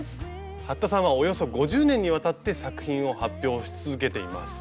服田さんはおよそ５０年にわたって作品を発表し続けています。